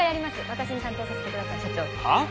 私に担当させてください社長はっ！？